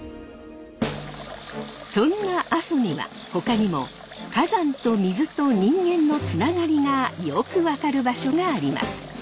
そんな阿蘇にはほかにも火山と水と人間のつながりがよく分かる場所があります。